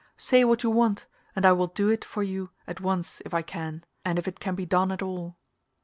Say what you want, and I will do it for you at once if I can, and if it can be done at all."